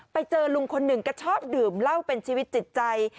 ไปเจอลุงคนหนึ่งก็ชอบดื่มเหล้าเป็นชีวิตจิตใจ